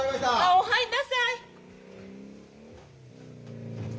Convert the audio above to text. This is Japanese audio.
お入んなさい。